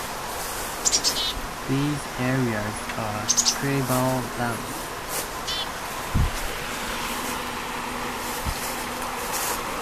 These areas are "tribal" lands.